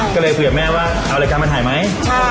ก็เลยเผื่อแม่ว่าเอารายการถ่ายไหม